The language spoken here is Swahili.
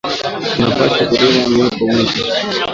Tuna pashwa kurima myoko mingi